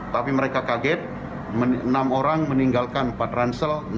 tapi mereka kaget enam orang meninggalkan empat ransel